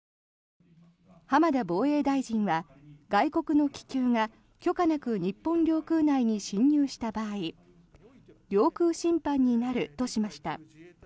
浜田防衛大臣は外国の気球が許可なく日本領空内に侵入した場合領空侵犯になるとしました。